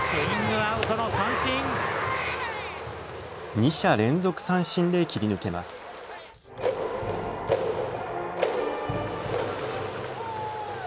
２者連続三振で切り抜けます。